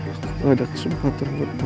aku gak ada kesempatan buat tolongin ibu